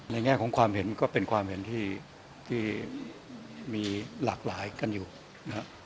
แง่ของความเห็นก็เป็นความเห็นที่มีหลากหลายกันอยู่นะครับ